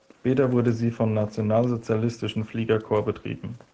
Später wurde sie vom Nationalsozialistischen Fliegerkorps betrieben.